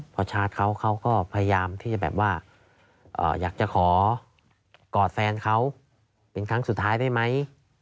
พอชาร์จเขาเขาก็พยายามที่จะแบบว่าอยากจะขอกอดแฟนเขาเป็นครั้งสุดท้ายได้ไหม